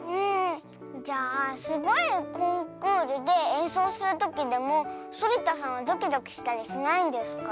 じゃあすごいコンクールでえんそうするときでもそりたさんはドキドキしたりしないんですか？